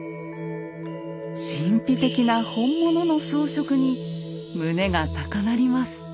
神秘的な本物の装飾に胸が高鳴ります。